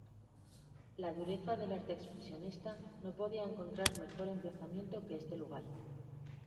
La dureza del arte expresionista no podía encontrar mejor emplazamiento que este lugar.